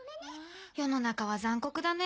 世の中は残酷だね。